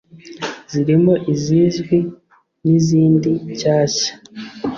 zirimo izizwi n’izindi nshyashya